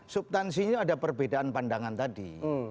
subtansinya ada perbedaan pandangan tadi